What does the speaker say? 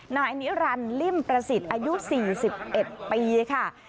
นายนิรันดิ์ลิ่มประสิทธิ์อายุสี่สิบเอ็ดปีค่ะ